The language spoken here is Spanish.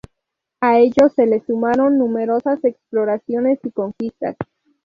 A ello se le sumaron numerosas exploraciones y conquistas.